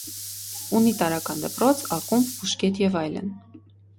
Ունի տարրական դպրոց, ակումբ, բուժկետ և այլն։